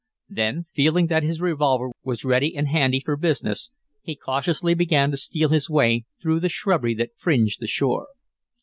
Then, feeling that his revolver was ready and handy for business, he cautiously began to steal his way through the shrubbery that fringed the shore.